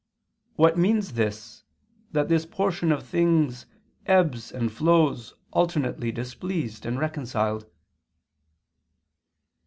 What means this, that this portion of things ebbs and flows alternately displeased and reconciled?"